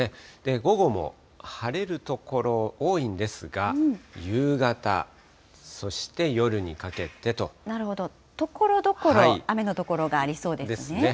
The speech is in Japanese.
午後も晴れる所、多いんですが、ところどころ雨の所がありそですね。